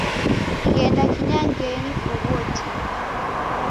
Ghenda kinyangenyi kughuo tindi.